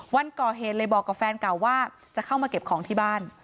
วันก่อเหตุเลยบอกกับแฟนเก่าว่าจะเข้ามาเก็บของที่บ้าน